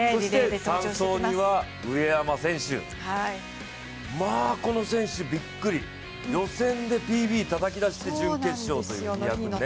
３走には上山選手、この選手、びっくり、予選でＰＢたたき出して準決勝。